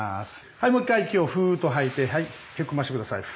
はいもう一回息をふっと吐いてへこませて下さい。